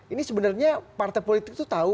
ini sebenarnya partai politik itu tahu